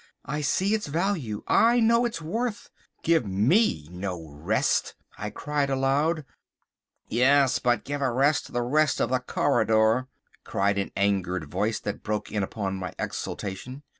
I see its value! I know its worth! Give me no rest," I cried aloud— "Yes, but give a rest to the rest of the corridor!" cried an angered voice that broke in upon my exultation.